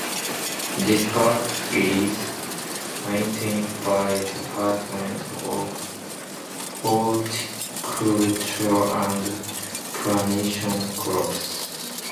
This park is maintained by Department of Horticulture and plantation crops.